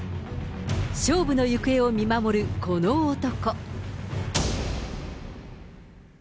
勝負の行方を見守るこの男。